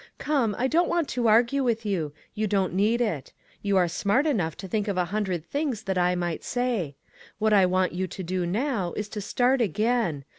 Come, I don't want to argue with you ; you don't need it. You are smart enough to think of a hundred things that I might say. What I want you to do now is to start again.